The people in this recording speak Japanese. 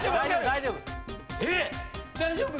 大丈夫！